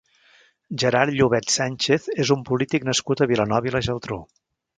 Gerard Llobet Sànchez és un polític nascut a Vilanova i la Geltrú.